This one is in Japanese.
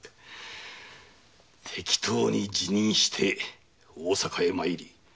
適当に辞任して大坂へ参り